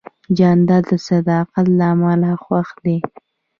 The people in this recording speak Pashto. جانداد د صداقت له امله خوښ دی.